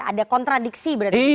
ada kontradiksi berarti